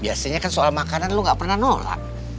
biasanya kan soal makanan lu nggak pernah nolak